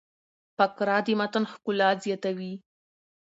فقره د متن ښکلا زیاتوي.